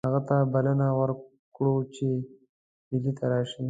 هغه ته به بلنه ورکړو چې ډهلي ته راشي.